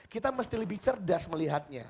kita mesti lebih cerdas melihatnya